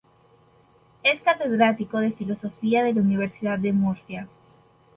Es catedrático de Filosofía de la Universidad de Murcia.